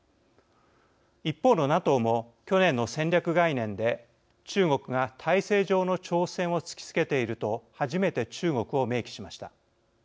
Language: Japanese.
一方のＮＡＴＯも去年の戦略概念で中国が体制上の挑戦を突きつけていると初めて中国を明記しました。